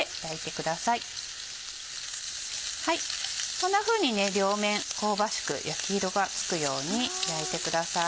こんなふうに両面香ばしく焼き色がつくように焼いてください。